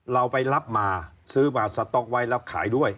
เราไปรับมาซื้อมาสต๊อกไว้แล้วขายด้วย